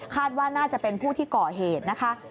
ว่าน่าจะเป็นผู้ที่ก่อเหตุนะคะ